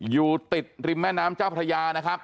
อยู่ติดริมแม่น้ำเจ้าพระยานะครับ